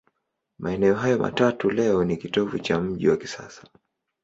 Maeneo hayo matatu leo ni kitovu cha mji wa kisasa.